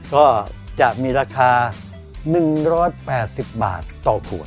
ก็จะมีราคา๑๘๐บาทต่อขวด